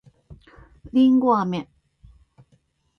りんごあめ